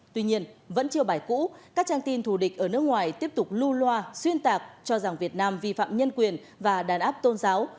tuy nhiên vẫn chưa bài cũ các trang tin thù địch ở nước ngoài tiếp tục lưu loa xuyên tạc cho rằng việt nam vi phạm nhân quyền và đàn áp tôn giáo